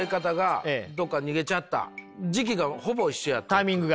タイミングが？